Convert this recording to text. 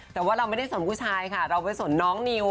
แต่ว่าเราไม่ได้สนผู้ชายค่ะเราไปสนน้องนิว